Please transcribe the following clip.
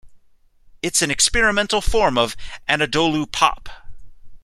It's an experimental form of "Anadolu Pop".